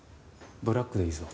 ブラックでいいぞ。